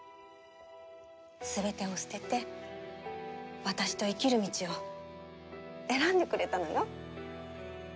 全てを捨てて私と生きる道を選んでくれたのよ。